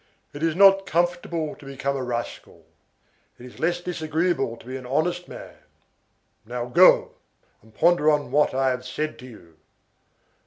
It is not comfortable to become a rascal. It is less disagreeable to be an honest man. Now go, and ponder on what I have said to you.